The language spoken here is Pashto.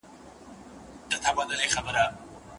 کتابیه ميرمن د قسم په برخه کې څه حق لري؟